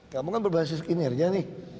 kamu kan berbasis kinerja nih